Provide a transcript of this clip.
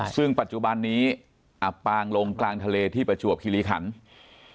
ซึ่งปัจจุบันนี้อับปางลงกลางทะเลที่ประจวบคิริขันฯ